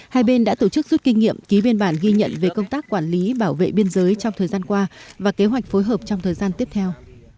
hai bên đã tổ chức rút kinh nghiệm ký biên bản ghi nhận về công tác quản lý bảo vệ biên giới trong thời gian qua và kế hoạch phối hợp trong thời gian tiếp theo